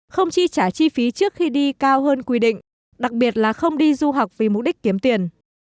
không chi trả chi phí trước khi đi cao hơn quy định đặc biệt là không đi du học vì mục đích kiếm tiền